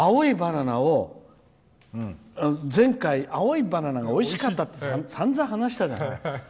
前回、青いバナナがおいしかったってさんざん、話したじゃない。